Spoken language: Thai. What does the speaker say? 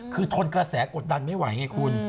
คือทนกระแสกดดันไม่ไหวไงคุณ